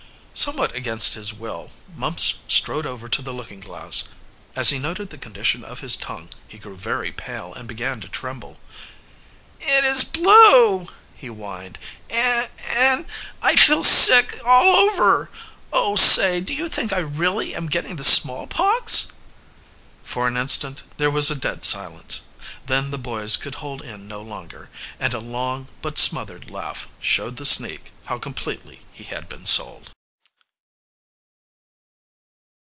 Somewhat against his will, Mumps strode over to the looking glass. As he noted the condition of his tongue, he grew very pale and began to tremble. "It is blue," he whined, "and and I feel sick all over. Oh, say, do you think I really am getting the smallpox?" For an instant there was a dead silence. Then the boys could hold in no longer, and a long but smothered laugh showed the sneak how completely he had been sold.